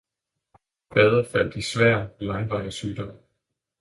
- Fader faldt i en svær, langvarig sygdom.